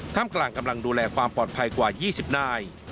ท่ามกลางกำลังดูแลความปลอดภัยกว่า๒๐นาย